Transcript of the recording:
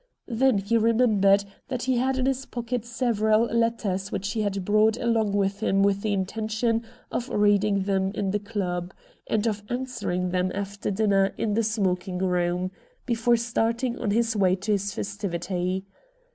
Then he remembered that he had in his pocket several letters which he had brought along with him with the intention of reading them in the club, and of answering them after dinner in the smoking room, before starting on his way to his festivity.